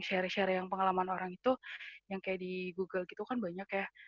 share share yang pengalaman orang itu yang kayak di google gitu kan banyak ya